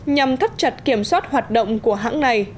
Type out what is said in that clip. nhằm thắt chặt kiểm soát hoạt động của hãng này